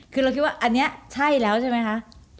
คือเราคิดว่าอันนี้ใช่แล้วใช่ไหมคะ